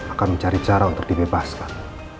akan mencari cara untuk dibebaskan